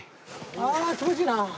ああ気持ちいいなあ！